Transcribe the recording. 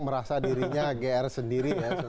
merasa dirinya gr sendiri